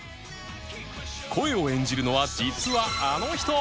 声を演じるのは実はあの人！